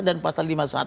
dan pasal lima puluh satu